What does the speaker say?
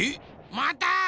また！